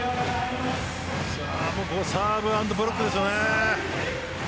サーブアンドブロックです。